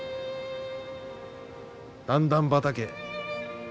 段々畑。